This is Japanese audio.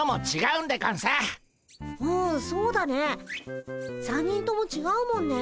うんそうだね３人ともちがうもんね。